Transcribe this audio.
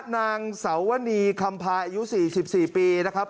นางสาวนีคำพาอายุ๔๔ปีนะครับ